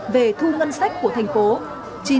về thu ngân sách của thành phố